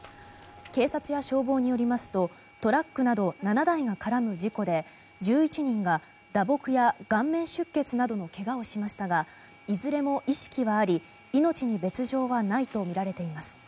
警察や消防によりますとトラックなど７台が絡む事故で１１人が打撲や顔面出血などのけがをしましたがいずれも意識はあり、命に別条はないとみられています。